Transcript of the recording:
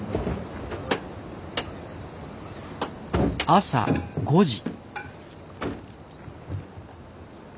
朝５時。